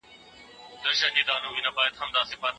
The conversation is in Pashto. نوي کارونه د انسان فکر پراخوي.